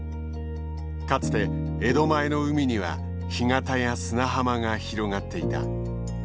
かつて江戸前の海には干潟や砂浜が広がっていた。